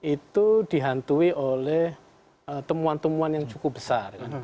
itu dihantui oleh temuan temuan yang cukup besar